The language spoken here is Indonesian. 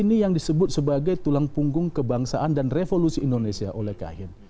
ini yang disebut sebagai tulang punggung kebangsaan dan revolusi indonesia oleh kahin